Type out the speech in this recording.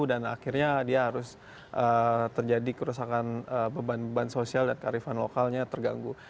dan akhirnya dia harus terjadi kerusakan beban beban sosial dan kearifan lokalnya terganggu